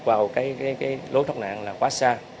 vào lối thốc nạn là quá xa